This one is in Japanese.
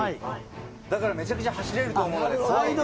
だからめちゃくちゃ走れると思うので。